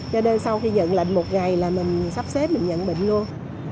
cho nên sau khi nhận lệnh một ngày là mình sắp xếp mình nhận bệnh luôn